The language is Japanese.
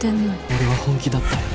俺は本気だったよ。